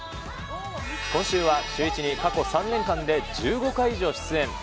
今週はシューイチに過去３年間で１５回以上出演。